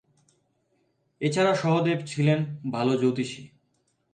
এছাড়া সহদেব ছিলেন ভাল জ্যোতিষী।